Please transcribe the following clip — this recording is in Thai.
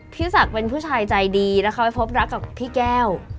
พี่ศักดิ์เป็นผู้ชายใจดีแล้วเขาไปพบรักกับพี่แก้ว